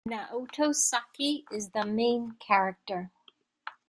Naoto Saki is the main character.